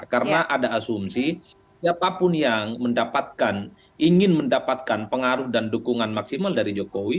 karena ada asumsi siapapun yang mendapatkan ingin mendapatkan pengaruh dan dukungan maksimal dari jokowi